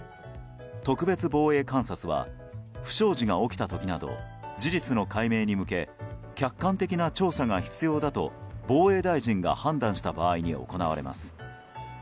特別防衛監察は不祥事が起きた時など事実の解明に向け客観的な調査が必要だと防衛大臣が判断した場合に行われます。